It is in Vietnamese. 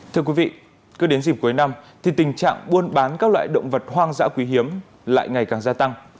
thưa quý vị cứ đến dịp cuối năm thì tình trạng buôn bán các loại động vật hoang dã quý hiếm lại ngày càng gia tăng